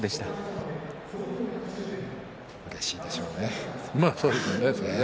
うれしいでしょうね。